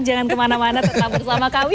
jangan kemana mana tetap bersama kami